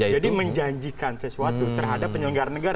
jadi menjanjikan sesuatu terhadap penyelenggaran negara